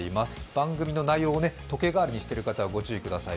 番組の内容を時計代わりにしている方、ご注意ください。